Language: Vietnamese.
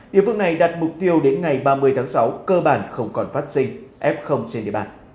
địa phương này đặt mục tiêu đến ngày ba mươi tháng sáu cơ bản không còn phát sinh f trên địa bàn